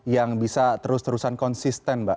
yang bisa terus terusan konsisten mbak